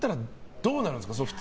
どうなるんですか。